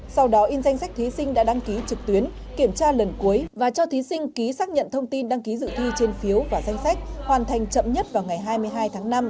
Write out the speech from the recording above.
sau đó in danh sách thí sinh đã đăng ký trực tuyến kiểm tra lần cuối và cho thí sinh ký xác nhận thông tin đăng ký dự thi trên phiếu và danh sách hoàn thành chậm nhất vào ngày hai mươi hai tháng năm